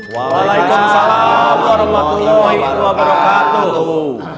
waalaikumsalam warahmatullahi wabarakatuh